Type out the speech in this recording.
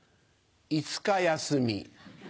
５日休み。